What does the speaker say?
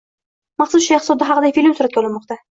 Maqsud Shayxzoda haqida film suratga olinmoqda